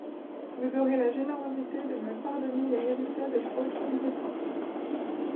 Vous aurez la générosité de me pardonner les résultats de fautes innocentes.